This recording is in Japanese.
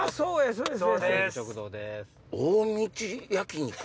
そうです。